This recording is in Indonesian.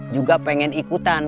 juga pengen ikutan